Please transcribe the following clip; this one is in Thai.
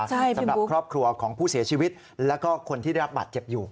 สำหรับครอบครัวของผู้เสียชีวิตแล้วก็คนที่ได้รับบาดเจ็บอยู่